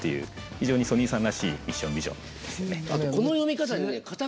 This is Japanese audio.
非常にソニーさんらしいミッションビジョンですよね。